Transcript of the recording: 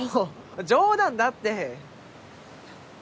冗談だって。